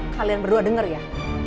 kalian berdua denger ya